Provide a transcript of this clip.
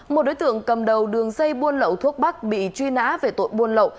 một đối tượng cầm đầu đường dây buôn lậu thuốc bắc bị truy nã về tội buôn lậu